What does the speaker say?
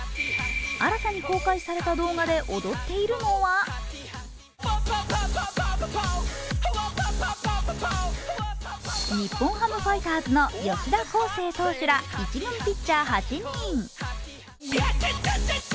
新たに公開された動画で踊っているのは日本ハムファイターズの吉田輝星選手ら一軍選手８人。